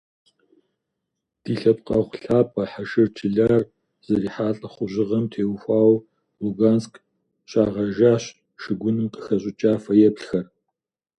Ди лъэпкъэгъу лъапӀэ Хьэшыр Чылар зэрихьа лӀыхъужьыгъэм теухуауэ Луганск щагъэжащ шыгуным къыхэщӀыкӀа фэеплъхэр.